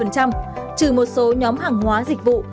trừ một số nhóm hàng hóa dịch vụ